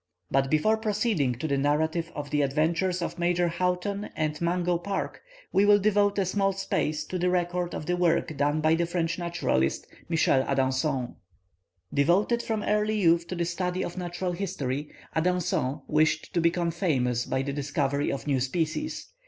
But before proceeding to the narrative of the adventures of Major Houghton and Mungo Park, we will devote a small space to the record of the work done by the French naturalist, Michel Adanson. Devoted from early youth to the study of natural history, Adanson wished to become famous by the discovery of new species.